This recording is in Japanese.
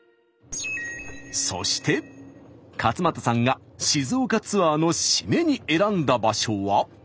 そして勝俣さんが静岡ツアーの締めに選んだ場所は。